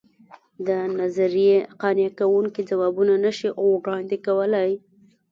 دا نظریې قانع کوونکي ځوابونه نه شي وړاندې کولای.